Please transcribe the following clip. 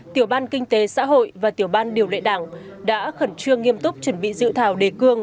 tiểu ban kinh tế xã hội và tiểu ban điều lệ đảng đã khẩn trương nghiêm túc chuẩn bị dự thảo đề cương